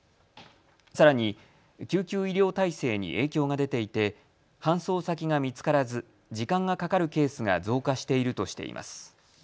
さらに救急医療体制に影響が出ていて搬送先が見つからず時間がかかるケースが増加しているとしています。